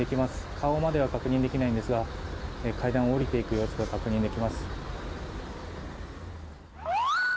顔までは確認できないんですが階段を下りていく様子が確認できます。